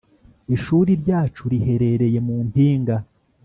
ishuri ryacu riherereye mu mpinga